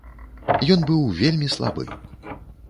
Ён быў вельмі слабы.